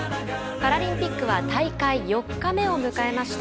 パラリンピックは大会４日目を迎えました。